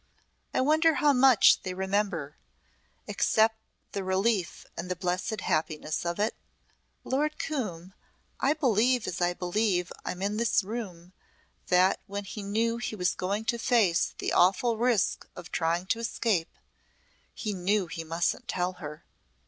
I wonder how much they remember except the relief and the blessed happiness of it? Lord Coombe, I believe as I believe I'm in this room, that when he knew he was going to face the awful risk of trying to escape, he knew he mustn't tell her.